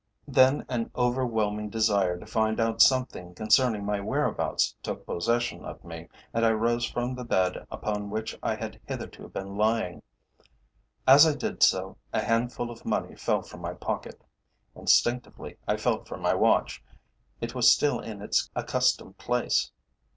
Then an overwhelming desire to find out something concerning my whereabouts took possession of me, and I rose from the bed upon which I had hitherto been lying. As I did so a handful of money fell from my pocket. Instinctively, I felt for my watch; it was still in its accustomed place.